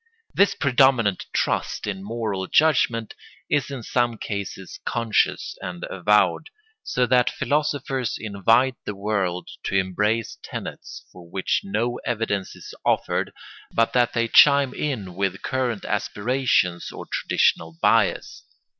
This predominant trust in moral judgments is in some cases conscious and avowed, so that philosophers invite the world to embrace tenets for which no evidence is offered but that they chime in with current aspirations or traditional bias.